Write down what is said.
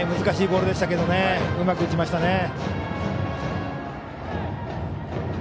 難しいボールでしたけどうまく打ちました。